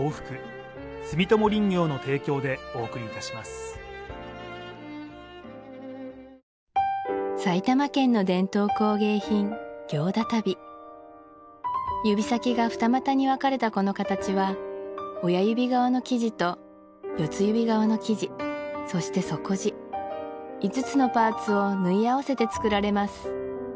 コリャ埼玉県の伝統工芸品指先が二股に分かれたこの形は親指側の生地と四つ指側の生地そして底地５つのパーツを縫い合わせて作られます